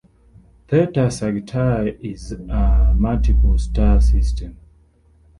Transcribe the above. Theta Sagittae is a multiple star system.